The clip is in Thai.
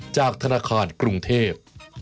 จากธนาคารกรุงเทพ